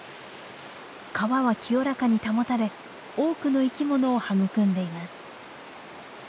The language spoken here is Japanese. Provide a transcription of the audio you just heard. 川は清らかに保たれ多くの生きものを育んでいます。